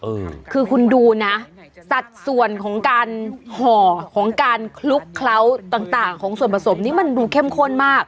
เออคือคุณดูนะสัดส่วนของการห่อของการคลุกเคล้าต่างต่างของส่วนผสมนี้มันดูเข้มข้นมาก